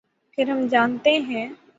پھر ہم جانتے ہیں۔